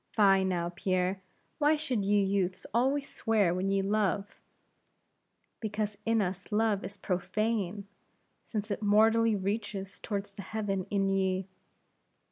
"Fie, now, Pierre; why should ye youths always swear when ye love!" "Because in us love is profane, since it mortally reaches toward the heaven in ye!"